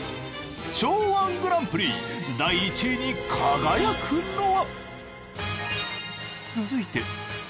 腸−１グランプリ第１位に輝くのは！？